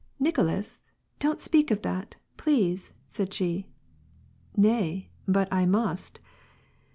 '^ Nicolas, don't speak of that, please," said she. ^^ Nay, but I must.